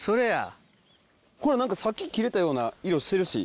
さっき切れたような色してるし。